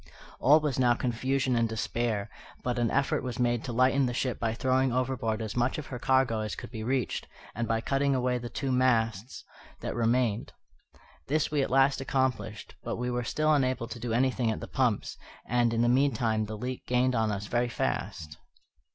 All was now confusion and despair, but an effort was made to lighten the ship by throwing overboard as much of her cargo as could be reached, and by cutting away the two masts that remained. This we at last accomplished, but we were still unable to do anything at the pumps; and, in the meantime, the leak gained on us very fast.